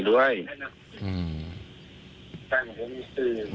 อืม